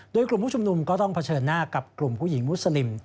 โดยกลุ่มผู้ชุมนุมก็ต้องเผชิญหน้ากับกลุ่มผู้หญิงมุสลิม